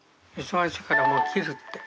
忙しいからもう切るって。